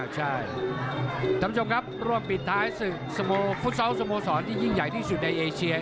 ใช่ท่านผู้ชมครับร่วมปิดท้ายศึกฟุตซอลสโมสรที่ยิ่งใหญ่ที่สุดในเอเชีย